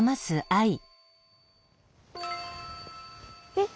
えっ？